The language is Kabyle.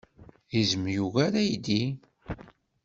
Izem yugar aydi?